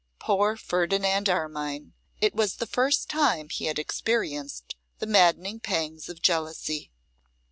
Poor Ferdinand Armine! it was the first time he had experienced the maddening pangs of jealousy.